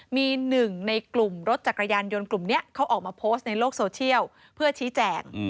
มีหนึ่งในกลุ่มรถจักรยานยนต์กลุ่มนี้เขาออกมาโพสต์ในโลกโซเชียลเพื่อชี้แจง